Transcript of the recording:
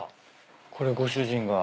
これご主人が。